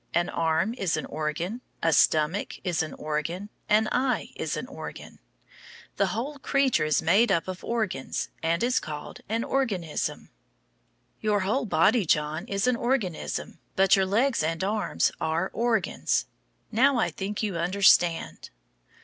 An arm is an organ, a stomach is an organ, an eye is an organ. The whole creature is made up of organs, and is called an organism. Your whole body, John, is an organism, but your legs and arms are organs. Now, I think you understand.